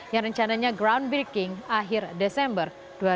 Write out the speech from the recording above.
yang rencananya groundbreaking akhir desember dua ribu enam belas